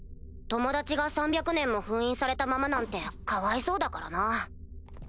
友達が３００年も封印されたままなんてかわいそうだからな。